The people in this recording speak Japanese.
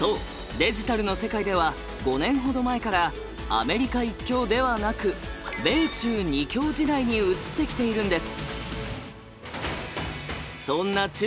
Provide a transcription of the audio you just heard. デジタルの世界では５年ほど前からアメリカ１強ではなく米中２強時代に移ってきているんです。